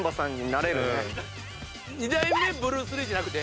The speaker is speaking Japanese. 二代目ブルース・リーじゃなくて？